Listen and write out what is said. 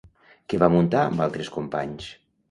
Què va muntar amb altres companys?